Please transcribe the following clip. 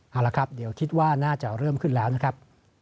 เอาละครับเดี๋ยวคิดว่าน่าจะเริ่มขึ้นแล้วนะครับ